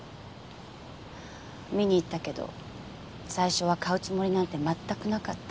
見に行ったけど最初は買うつもりなんて全くなかった。